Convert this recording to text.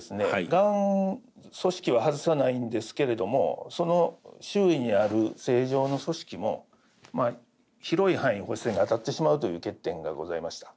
がん組織は外さないんですけれどもその周囲にある正常の組織も広い範囲放射線が当たってしまうという欠点がございました。